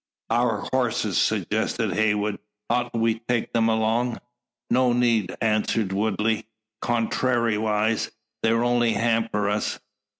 "Our horses?" suggests Heywood, "oughtn't we to take them along?" "No need," answers Woodley. "Contrarywise, they'd only hamper us.